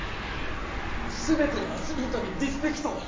「すべてのアスリートにリスペクトを」